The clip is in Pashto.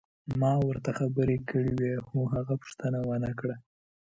ما ورته خبرې کړې وې خو هغه پوښتنه ونه کړه.